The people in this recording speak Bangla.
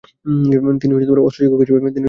তিনি অস্ত্র শিক্ষক হিসেবে কাজ করেছেন।